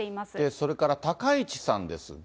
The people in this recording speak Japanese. それから高市さんですが。